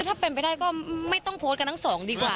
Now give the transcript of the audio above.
ถ้าเป็นไปได้ก็ไม่ต้องโพสต์กันทั้งสองดีกว่า